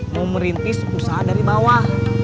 mau merintis usaha dari bawah